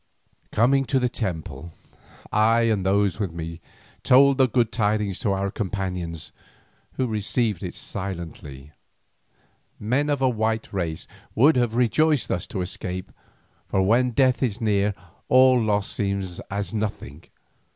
Coming to the temple, I and those with me told the good tidings to our companions, who received it silently. Men of a white race would have rejoiced thus to escape, for when death is near all other loss seems as nothing.